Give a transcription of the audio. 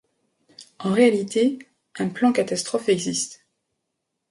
En réalité, un plan catastrophe existe.